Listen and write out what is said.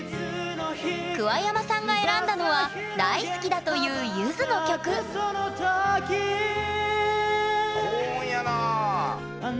桑山さんが選んだのは大好きだというゆずの曲高音やなあ。